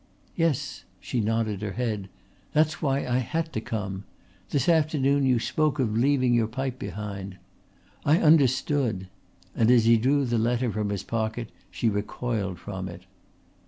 "Yes." She nodded her head. "That's why I had to come. This afternoon you spoke of leaving your pipe behind. I understood," and as he drew the letter from his pocket she recoiled from it.